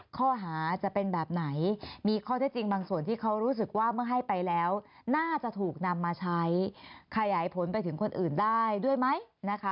ข้อหาจะเป็นแบบไหนมีข้อเท็จจริงบางส่วนที่เขารู้สึกว่าเมื่อให้ไปแล้วน่าจะถูกนำมาใช้ขยายผลไปถึงคนอื่นได้ด้วยไหมนะคะ